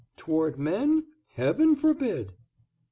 "Toward men? Heaven forbid!"